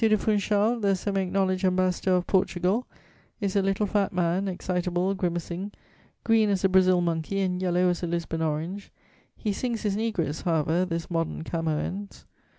de Funchal, the semi acknowledged Ambassador of Portugal, is a little, fat man, excitable, grimacing, green as a Brazil monkey and yellow as a Lisbon orange: he sings his negress, however, this modern Camoëns.